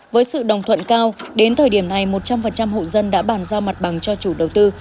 với sự đồng thuận cao đến thời điểm này một trăm linh hộ dân đã bàn giao mặt bằng cho chủ đầu tư